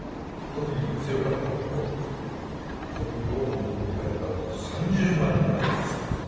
ここにローマの軍隊がなんと３０万人張り付いてたんですよ。